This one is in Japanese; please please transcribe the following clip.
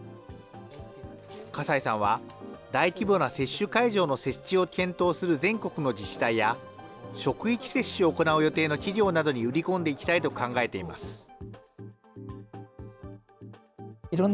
葛西さんは大規模な接種会場の設置を検討する全国の自治体や、職域接種を行う予定の企業などに売り込んでいきたいと考えています。